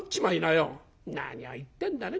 「何を言ってんだね